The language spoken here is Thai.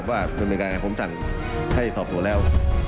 ว่าคุณบริการให้ผมสั่งให้สอบส่วนแล้ว